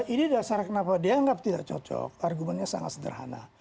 ini dasarnya kenapa dianggap tidak cocok argumennya sangat sederhana